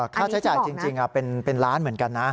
ค่าใช้จ่ายจริงเป็นล้านเหมือนกันนะ